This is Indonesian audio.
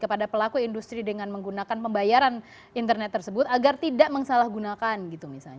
kepada pelaku industri dengan menggunakan pembayaran internet tersebut agar tidak menyalahgunakan gitu misalnya